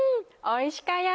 おいしかや！